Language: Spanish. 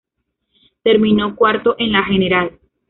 Terminó cuarto en la general.